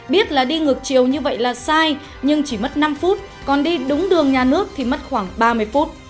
biết là đi ngược chiều như vậy là sai nhưng chỉ mất năm phút còn đi đúng đường nhà nước thì mất khoảng ba mươi phút